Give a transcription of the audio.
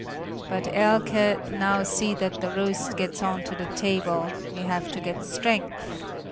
But Elke, now see that the roast gets on to the table; we have to get strength.